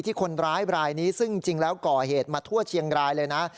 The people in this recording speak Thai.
คนร้ายรายนี้ซึ่งจริงแล้วก่อเหตุมาทั่วเชียงรายเลยนะ